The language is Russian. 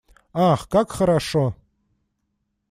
Ах, как хорошо!